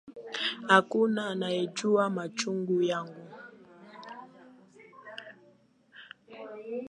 Hakuna anayejua machungu yangu